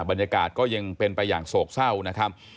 บรรยากาศก็ยังเป็นไปอย่างโศกเศร้านะครับ